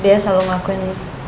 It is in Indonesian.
dia selalu ngakuin